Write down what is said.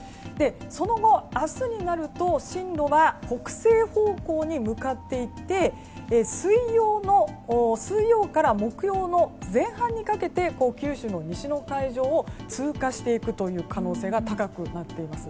その後、明日になると進路は北西方向に向かって行って水曜から木曜の前半にかけて九州の西の海上を通過していくという可能性が高くなっています。